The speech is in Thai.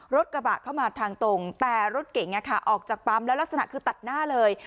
รถกระบะเข้ามาทางตรงแต่รถเก๋งออกจากปั๊มแล้วลักษณะคือตัดหน้าเลย